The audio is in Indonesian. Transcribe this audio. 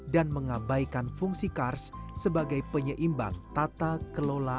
dan mengabaikan fungsi kars sebagai penyeimbang tata kelola